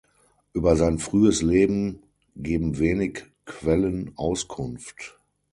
Über sein frühes Leben geben wenig Quellen Auskunft.